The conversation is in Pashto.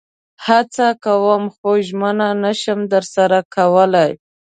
هڅه کوم خو ژمنه نشم درسره کولئ